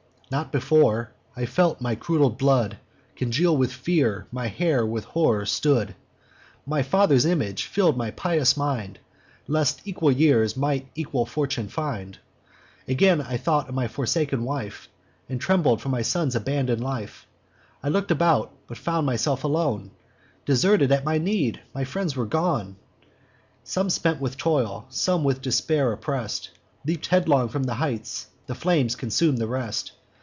"Then, not before, I felt my curdled blood Congeal with fear, my hair with horror stood: My father's image fill'd my pious mind, Lest equal years might equal fortune find. Again I thought on my forsaken wife, And trembled for my son's abandon'd life. I look'd about, but found myself alone, Deserted at my need! My friends were gone. Some spent with toil, some with despair oppress'd, Leap'd headlong from the heights; the flames consum'd the rest.